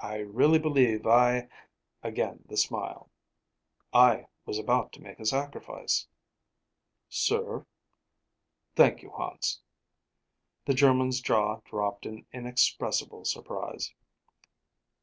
"I really believe I," again the smile, "I was about to make a sacrifice." "Sir?" "Thank you, Hans." The German's jaw dropped in inexpressible surprise. "Sir?"